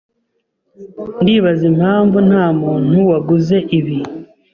Ndibaza impamvu ntamuntu waguze ibi.